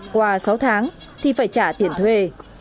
qua sáu tháng thì phải trả tiền thuê